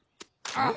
あっ。